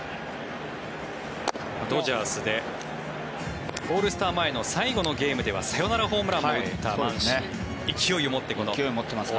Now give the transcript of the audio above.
ドジャースでオールスター前の最後のゲームではサヨナラホームランも打ったマンシー。